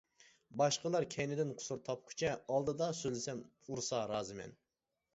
باشقىلار كەينىدىن قۇسۇر تاپقۇچە، ئالدىدا سۆزلىسەم ئۇرسا رازىمەن.